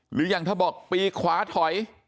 หรืออย่างถ้าบอกปีกขวาถอย